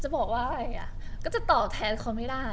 จะบอกว่าเอ่ยก็จะตอบแทนเขาไม่ได้